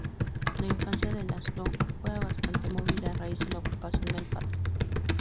La infancia de László fue bastante movida, a raíz de la ocupación del padre.